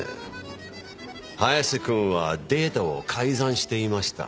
早瀬くんはデータを改ざんしていました。